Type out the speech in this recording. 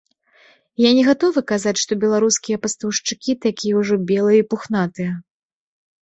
Я не гатовы казаць, што беларускія пастаўшчыкі такія ўжо белыя і пухнатыя.